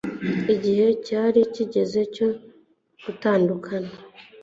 Igihe cyari kigeze cyo gutandukana